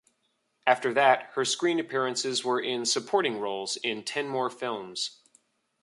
After that her screen appearances were in supporting roles in ten more films.